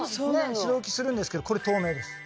白浮きするんですけどこれ透明です。